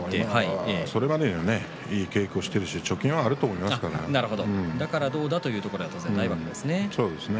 でも、それまでにいい稽古をしていますしだからどうだっていうことではないわけですね。